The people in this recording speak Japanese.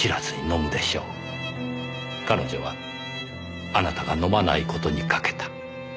彼女はあなたが飲まない事に賭けた。